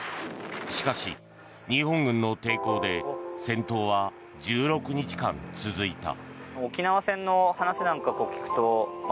しかし日本軍の抵抗で戦闘は１６日間続いた。